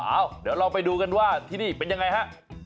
เดี๋ยวเราไปดูกันว่าที่นี่เป็นยังไงฮะ